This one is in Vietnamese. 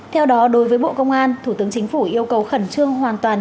theo đó đối với bộ công an thủ tướng chính phủ yêu cầu khẩn trương hoàn toàn